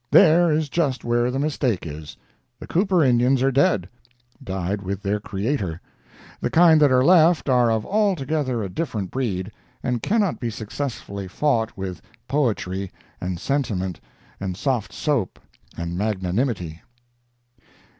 There is just where the mistake is. The Cooper Indians are dead—died with their creator. The kind that are left are of altogether a different breed, and cannot be successfully fought with poetry, and sentiment, and soft soap, and magnanimity.